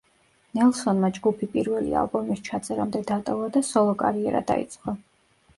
ნელსონმა ჯგუფი პირველი ალბომის ჩაწერამდე დატოვა და სოლო კარიერა დაიწყო.